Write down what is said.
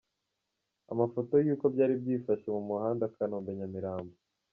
Amafoto y’uko byari byifashe mu muhanda Kanombe-Nyamirambo